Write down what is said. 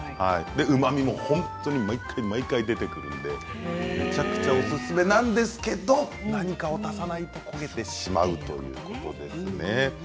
うまみも毎回毎回出てくるのでめちゃくちゃおすすめなんですけれども何かを足さないと焦げてしまうということですね。